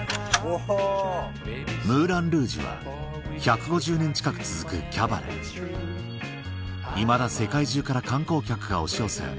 ムーラン・ルージュは１５０年近く続くキャバレーいまだ世界中から観光客が押し寄せ